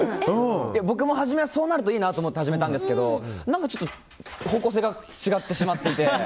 僕も初めはそうなるといいなと思ってたんですけど何か、方向性が違ってしまっていて。